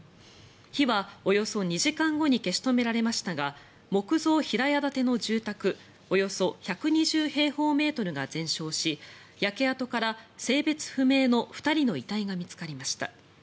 火はおよそ２時間後に消し止められましたが木造平屋建ての住宅およそ１２０平方メートルが全焼し焼け跡から性別不明の２人の遺体が見つかりました。